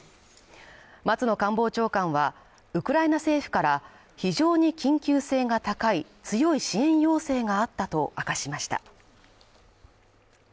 松野官房長官は、ウクライナ政府から非常に緊急性が高い強い支援要請があったと明かしました。